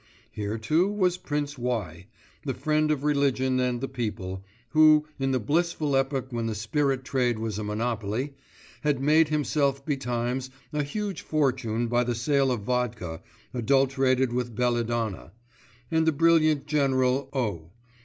Here, too, was Prince Y., the friend of religion and the people, who in the blissful epoch when the spirit trade was a monopoly, had made himself betimes a huge fortune by the sale of vodka adulterated with belladonna; and the brilliant General O.